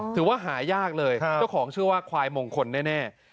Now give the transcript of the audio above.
ถือว่าหายากเลยเจ้าของเชื่อว่าควายมงคลแน่